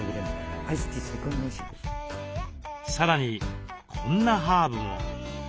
さらにこんなハーブも。